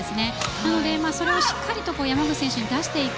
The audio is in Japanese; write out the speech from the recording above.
なので、それをしっかりと山口選手に出していく。